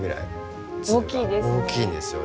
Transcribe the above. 粒が大きいんですよね。